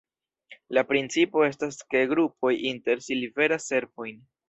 La principo estas ke grupoj inter si liveras servojn.